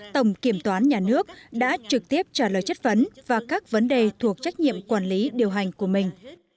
tổng kiểm toán nhà nước đã trực tiếp trả lời chất vấn và các vấn đề thuộc trách nhiệm quản lý điều hành của mình